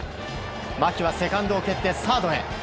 牧はセカンドを蹴ってサードへ。